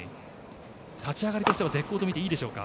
立ち上がりとしては絶好と見ていいでしょうか。